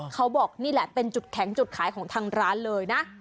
เขาบอกนี่แหละเป็นจุดแข็งจุดขายของทางร้านเลยนะ